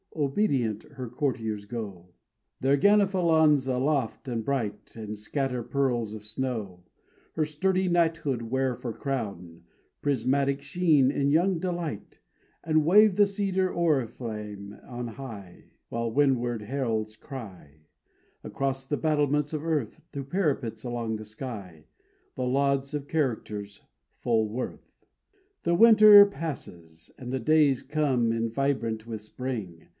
Obedient her courtiers go, Their gonfalons aloft and bright, And scatter pearls of snow; Her sturdy knighthood wear for crown Prismatic sheen in young delight, And wave the cedar oriflamme on high; While windward heralds cry, Across the battlements of earth To parapets along the sky, The lauds of character's full worth. The winter passes and the days come in Vibrant with spring.